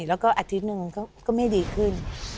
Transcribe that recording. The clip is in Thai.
แล้วก็อาทิตย์หนึ่งก็ไม่ดีขึ้น